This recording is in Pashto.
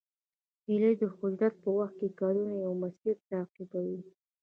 هیلۍ د هجرت په وخت کلونه یو مسیر تعقیبوي